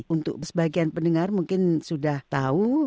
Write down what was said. untuk sebagian pendengar mungkin sudah tahu